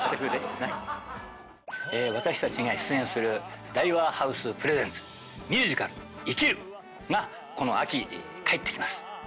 私たちが出演するＤａｉｗａＨｏｕｓｅｐｒｅｓｅｎｔｓミュージカル『生きる』がこの秋帰ってきます。